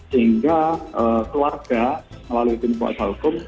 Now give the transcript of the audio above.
sehingga keluarga melalui binti buat halkom